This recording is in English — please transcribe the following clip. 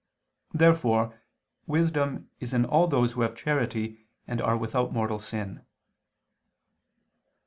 Therefore wisdom is in all those who have charity and are without mortal sin.